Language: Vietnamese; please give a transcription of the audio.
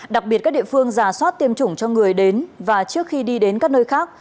đặc biệt các địa phương giả soát tiêm chủng cho người đến và trước khi đi đến các nơi khác